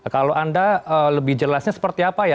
kalau anda lebih jelasnya seperti apa ya